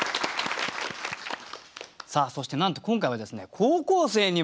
そしてなんと今回はですね